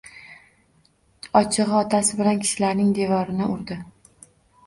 Ochig‘i, otasi bilan kishilarning devorini urdi.